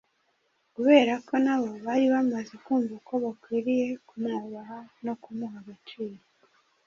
kubera ko na bo bari bamaze kumva ko bakwiriye kumwubaha no kumuha agaciro.